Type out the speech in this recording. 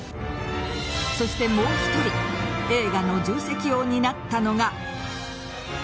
そしてもう１人映画の重責を担ったのが。